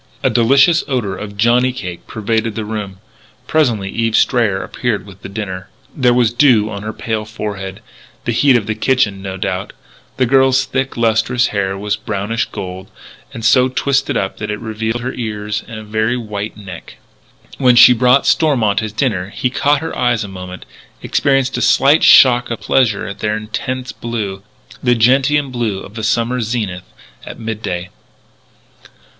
A delicious odour of johnny cake pervaded the room. Presently Eve Strayer appeared with the dinner. There was dew on her pale forehead the heat of the kitchen, no doubt. The girl's thick, lustrous hair was brownish gold, and so twisted up that it revealed her ears and a very white neck. When she brought Stormont his dinner he caught her eyes a moment experienced a slight shock of pleasure at their intense blue the gentian blue of the summer zenith at midday.